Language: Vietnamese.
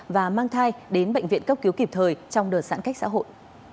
và mang thai đến bệnh viện cấp cứu kịp thời trong đợt giãn cách xã hội